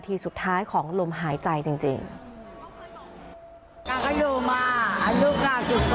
ที่ยายก็ไม่มี